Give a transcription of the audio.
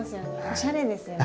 おしゃれですよね。